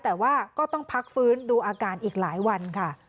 แต่ว่าก็ต้องพักฟื้นดูอาการอีกหลายวันค่ะ